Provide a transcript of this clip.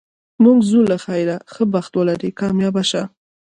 موږ ځو له خیره، ښه بخت ولرې، کامیاب شه.